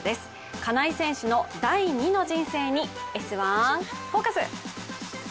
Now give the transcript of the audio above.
金井選手の第２の人生に「Ｓ☆１フォーカス」。